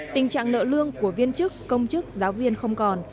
tình trạng nợ lương của viên chức công chức giáo viên không còn